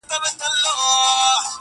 گوره اوښكي به در تـــوى كـــــــــړم.